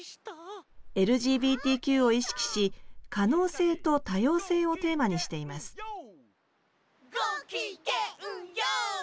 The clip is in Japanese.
ＬＧＢＴＱを意識し可能性と多様性をテーマにしていますごきげんＹＯ！